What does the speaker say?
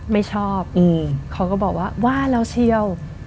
ไม่ชอบเขาก็บอกว่าว่าแล้วเชียว